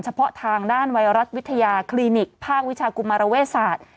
เฉพาะทางด้านไวรัสวิทยาคลินิกภาควิชากุมารเวศาสตร์